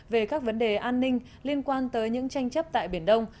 về các vấn đề an ninh liên quan tới những tranh chấp tại biển đông